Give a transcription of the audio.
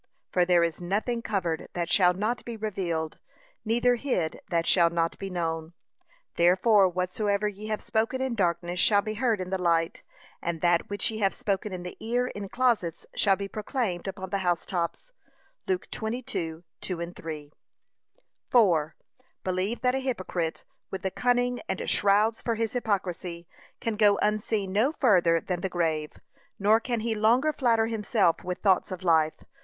'For there is nothing covered that shall not be revealed; neither hid that shall not be known. Therefore whatsoever ye have spoken in darkness shall be heard in the light, and that which ye have spoken in the ear in closets shall be proclaimed upon the house tops.' (Luke 22:2,3) 4. Believe that a hypocrite, with the cunning and shrouds for his hypocrisy, can go unseen no further than the grave, nor can he longer flatter himself with thoughts of life.